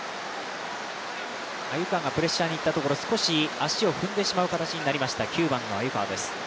鮎川がプレッシャーにいったところ少し足を踏んでしまう形になりました。